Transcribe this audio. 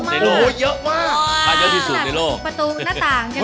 หัวเยอะมาก